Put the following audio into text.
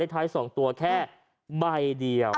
ถูกรางวัลได้๒ตัวแค่ใบเดียว